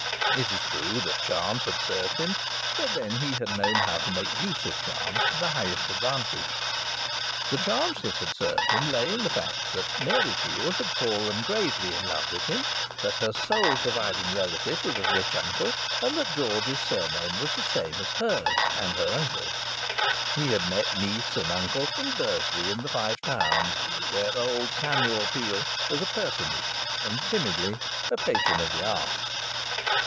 It is true that chance had served him; but then he had known how to make use of chance to the highest advantage. The chance that had served him lay in the facts that Mary Peel had fallen gravely in love with him, that her sole surviving relative was a rich uncle, and that George's surname was the same as hers and her uncle's. He had met niece and uncle in Bursley in the Five Towns, where old Samuel Peel was a personage, and, timidly, a patron of the arts.